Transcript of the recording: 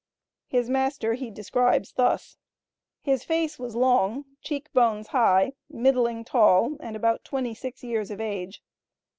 His master he describes thus "His face was long, cheek bones high, middling tall, and about twenty six years of age."